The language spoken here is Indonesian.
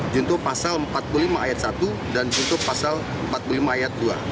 junto pasal empat puluh lima ayat satu dan juntuh pasal empat puluh lima ayat dua